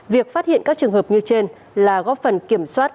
việc phát hiện các trường hợp như trên là góp phần kiểm soát